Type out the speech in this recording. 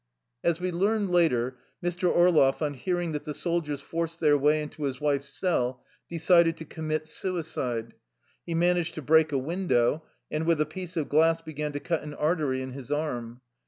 As we learned later, Mr. Orloff, on hearing that the soldiers forced their way into his wife's cell, decided to commit suicide. He managed to break a window, and with a piece of glass began to cut an artery in his arm.